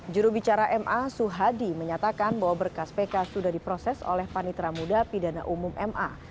jurubicara ma suhadi menyatakan bahwa berkas pk sudah diproses oleh panitra muda pidana umum ma